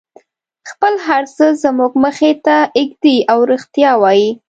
خپل هر څه زموږ مخې ته ږدي او رښتیا وایي.